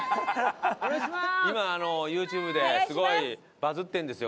今あのＹｏｕＴｕｂｅですごいバズってるんですよ